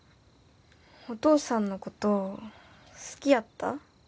お父さんのこと好きやった？